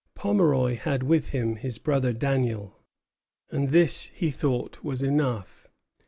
Pomeroy had with him his brother Daniel; and this he thought was enough.